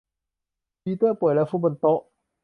ปีเตอร์ป่วยและฟุบบนโต๊ะ